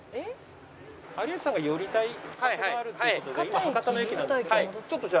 有吉さんが寄りたい場所があるっていう事で今博多の駅なんですけどちょっとじゃあ。